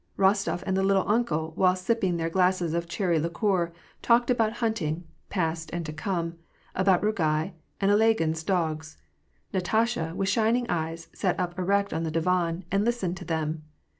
Rostof and the " little uncle," while sipping their glasses of cherry liqueur, talked about hunting, past and to come ; about Rugai, and Ilagin's dogs. Natasha, with shining eyes, sat up erect on the divan, and lis tened to them.